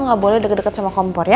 nggak boleh deket deket sama kompor ya